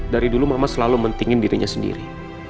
dari dulu mama selalu mentingin dirinya sendiri